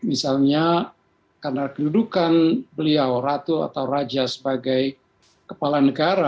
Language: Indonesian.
misalnya karena kedudukan beliau ratu atau raja sebagai kepala negara